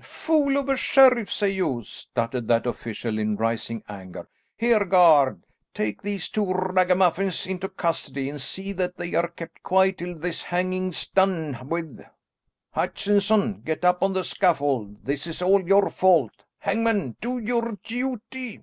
"Fool of a sheriff! say you," stuttered that official in rising anger. "Here, guard, take these two ragamuffins into custody, and see that they are kept quiet till this hanging's done with. Hutchinson, get up on the scaffold; this is all your fault. Hangman, do your duty."